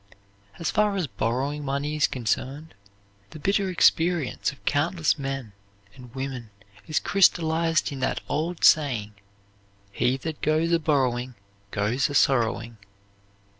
As far as borrowing money is concerned the bitter experience of countless men and women is crystallized in that old saying: "He that goes a borrowing goes a sorrowing."